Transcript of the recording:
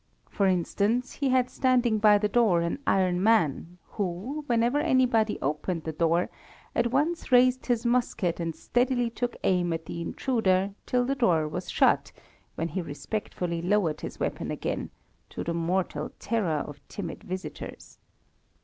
For instance, he had standing by the door an iron man, who, whenever anybody opened the door, at once raised his musket and steadily took aim at the intruder till the door was shut, when he respectfully lowered his weapon again, to the mortal terror of timid visitors.